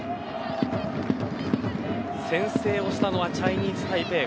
先制をしたのはチャイニーズタイペイ。